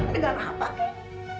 dengan apa nek